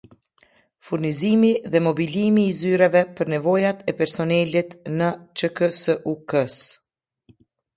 Furnizimi dhe mobilimi i zyreve për nevojat e personelit në qksuk-së